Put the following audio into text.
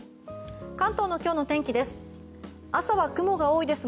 関東の今日の天気です。